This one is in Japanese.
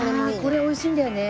これ美味しいんだよね。